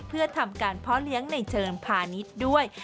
เพื่อทำการเพาะเลี้ยงในเชิงพาณิชย์ด้วย